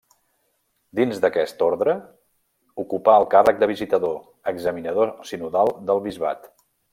Dins aquest orde ocupà el càrrec de visitador, examinador sinodal del bisbat.